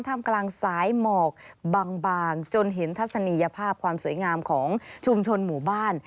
ทำกลางสายหมอกบางจนเห็นทัศนียภาพความสวยงามของชุมชนหมู่บ้าน